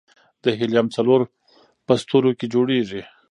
د هیلیم څلور په ستورو کې جوړېږي.